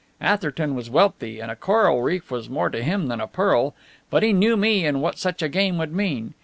Atherton was wealthy, and a coral reef was more to him than a pearl. But he knew me and what such a game would mean.